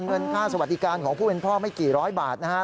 เงินค่าสวัสดิการของผู้เป็นพ่อไม่กี่ร้อยบาทนะฮะ